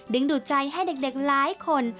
ดึงดูดใจให้เด็กร้ายคน